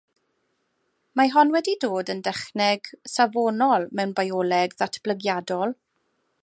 Mae hon wedi dod yn dechneg safonol mewn bioleg ddatblygiadol.